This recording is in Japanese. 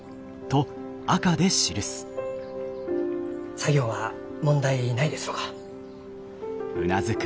作業は問題ないですろうか？